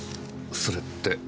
それって。